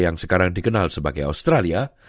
yang sekarang dikenal sebagai australia